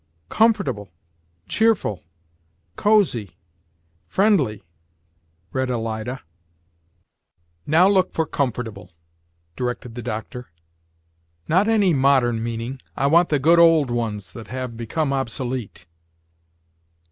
"Comfortable; cheerful; cozy; friendly," read Alida. "Now look for comfortable," directed the doctor. "Not any modern meaning. I want the good old ones that have become obsolete."